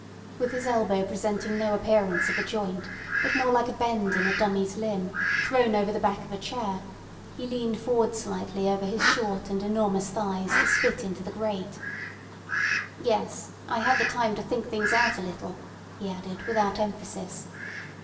With his elbow presenting no appearance of a joint, but more like a bend in a dummy's limb, thrown over the back of a chair, he leaned forward slightly over his short and enormous thighs to spit into the grate. "Yes! I had the time to think things out a little," he added without emphasis.